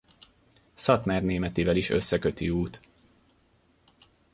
Szatmárnémetivel is összeköti út.